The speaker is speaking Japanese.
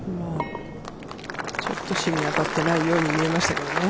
ちょっと芯に当たってないように見えましたけどね。